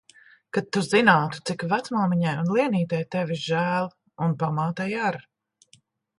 Kad tu zinātu, cik vecmāmiņai un Lienītei tevis žēl. Un pamātei ar.